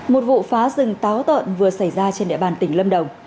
một vụ phá rừng táo tợn vừa xảy ra trên địa bàn tỉnh lâm đồng